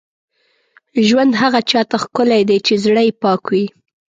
ژوند هغه چا ته ښکلی دی، چې زړه یې پاک وي.